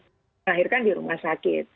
melahirkan di rumah sakit